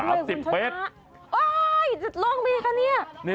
อ้าวลงไปค่ะนี่